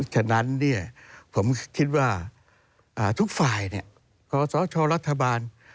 ฉะนั้นผมคิดว่าทุกฝ่ายขอสชรัฐบาล